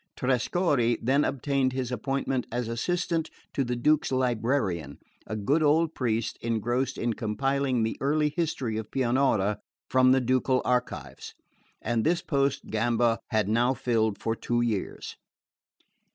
Trescorre then obtained his appointment as assistant to the Duke's librarian, a good old priest engrossed in compiling the early history of Pianura from the ducal archives; and this post Gamba had now filled for two years.